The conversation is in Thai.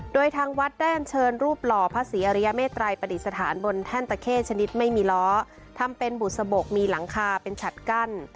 โดยทางวัดได้อันเชิญรูปหล่อพระศรีอริยเมตรัยปฏิสถานบนแท่นตะเข้ชนิดไม่มีล้อทำเป็นบุษบกมีหลังคาเป็นฉัดกั้น